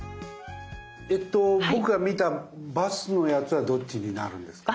僕が見たバスのヤツはどっちになるんですか？